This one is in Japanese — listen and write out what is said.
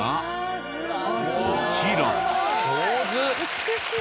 美しい！